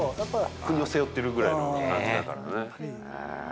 国を背負ってるぐらいの感じだからね。